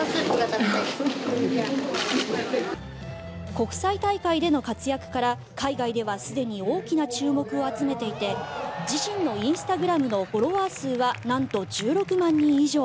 国際大会での活躍から海外ではすでに大きな注目を集めていて自身のインスタグラムのフォロワー数はなんと１６万人以上。